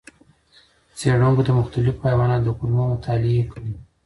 څېړونکو د مختلفو حیواناتو کولمو مطالعې کړې.